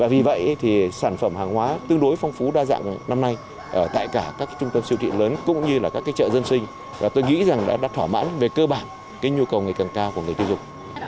vì vậy sản phẩm hàng hóa tương đối phong phú đa dạng năm nay tại cả các trung tâm siêu thị lớn cũng như là các chợ dân sinh và tôi nghĩ rằng đã đặt thỏa mãn về cơ bản nhu cầu ngày càng cao của người tiêu dùng